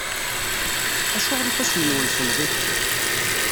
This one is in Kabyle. Acuɣer ifassen-nwen semmḍit?